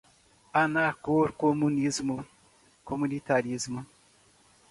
Anarcocomunismo, comunitarismo